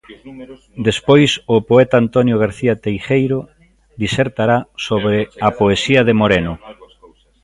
Despois, o poeta Antonio García Teijeiro disertará sobre a poesía de Moreno.